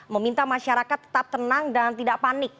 meminta masyarakat tetap tenang dan tidak panik